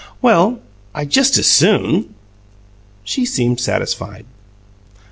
"Well, I just as SOON." She seemed satisfied.